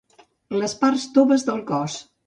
Les parts toves del cos.